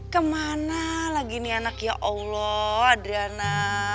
kemana lagi nih anak ya allah adriana